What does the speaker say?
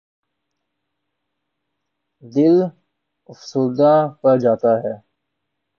دل افسردہ پڑ جاتا ہے۔